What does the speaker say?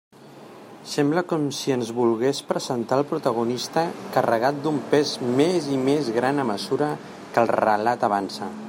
Sembla com si ens volgués presentar el protagonista carregat d'un pes més i més gran a mesura que el relat avança.